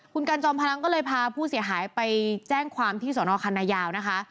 คุณกันจอมพลังก็เลยพาผู้เสียหายไปแจ้งความที่สนคันนายาวนะคะ